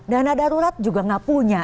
dana darurat juga nggak punya